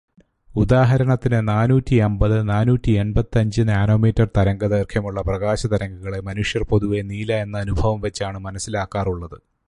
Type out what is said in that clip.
ഉദാഹരണത്തിന്, നാന്നൂറ്റിയമ്പത്-നാന്നൂറ്റിയെൺപത്തിയഞ്ച് നാനോമീറ്റർ തരംഗദൈർഗ്ഘ്യമുള്ള പ്രകാശതരംഗങ്ങളെ മനുഷ്യർ പൊതുവേ നീല എന്ന അനുഭവം വെച്ചാണ് മനസ്സിലാക്കാറുള്ളത്.